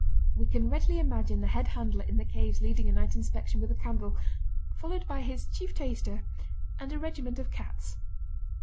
We can readily imagine the head handler in the caves leading a night inspection with a candle, followed by his chief taster and a regiment of cats.